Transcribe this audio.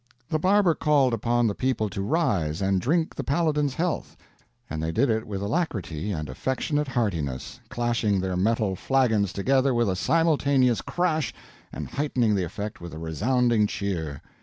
The barber called upon the people to rise and drink the Paladin's health, and they did it with alacrity and affectionate heartiness, clashing their metal flagons together with a simultaneous crash, and heightening the effect with a resounding cheer.